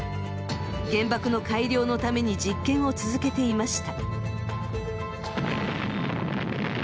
原爆の改良のために実験を続けていました。